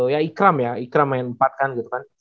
ya ikram ya ikram main empat kan gitu kan